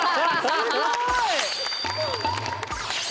すごい！